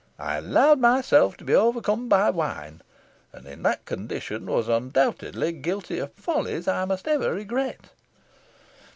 I allowed myself to be overcome by wine, and in that condition was undoubtedly guilty of follies I must ever regret."